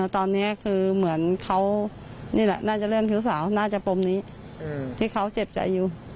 ที่เขาเจ็บใจอยู่